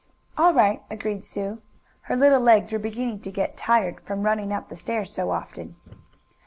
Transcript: "All right," agreed Sue. Her little legs were beginning to get tired from running up the stairs so often.